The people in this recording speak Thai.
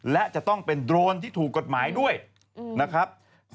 และจะต้องเป็นโดรนที่ถูกกฎหมายด้วยนะครับ